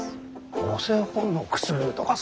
母性本能くすぐるとかさ。